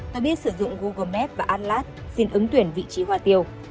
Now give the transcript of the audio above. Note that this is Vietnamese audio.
ta biết sử dụng google maps và atlas xin ứng tuyển vị trí hoa tiều